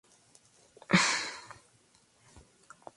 Ella apoyó a los jacobitas exiliados con lo mejor de sus habilidades.